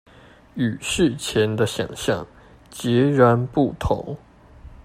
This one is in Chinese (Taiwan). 與事前的想像截然不同